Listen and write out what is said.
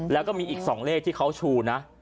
แล้วก็มีอีก๒เลขที่เขาชูนะ